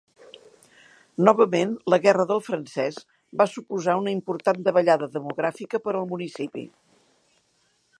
Novament, la Guerra del Francès va suposar una important davallada demogràfica per al municipi.